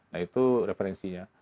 nah itu referensinya